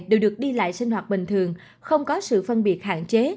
đều được đi lại sinh hoạt bình thường không có sự phân biệt hạn chế